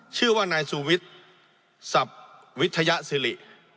ชื่อว่านายสุวิทย์สับวิทยาศิริ